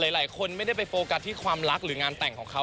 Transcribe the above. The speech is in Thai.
หลายคนไม่ได้ไปโฟกัสที่ความรักหรืองานแต่งของเขา